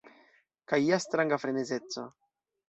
Kaj ja stranga frenezeco.